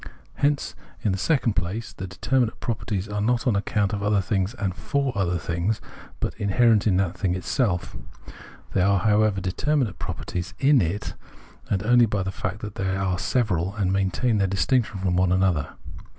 Hence, in the second place, the determmate properties are not on account of other things and for other things, but inherent in that thing itself. They are, however, determinate properties in it only by the fact that they are several, and maintain their distinction from one another.